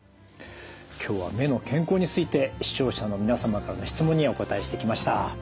今日は目の健康について視聴者の皆様からの質問にお答えしてきました。